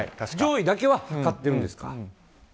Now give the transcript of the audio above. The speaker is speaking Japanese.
上位だけは測ってるんですか。